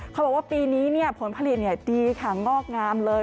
เขาบอกว่าปีนี้ผลผลิตดีค่ะงอกงามเลย